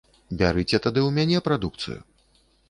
Бярыце тады ў мяне прадукцыю.